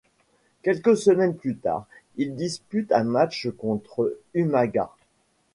Quelques semaines plus tard, il dispute un match contre Umaga.